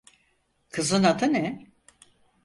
Kızın adı ne?